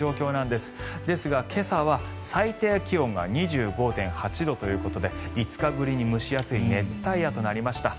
ですが、今朝は最低気温が２５．８度ということで５日ぶりに蒸し暑い熱帯夜となりました。